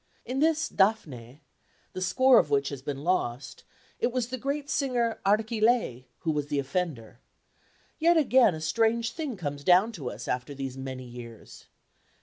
In this Dafne the score of which has been lost it was the great singer Archilei who was the offender. Yet again a strange thing comes down to us after these many years.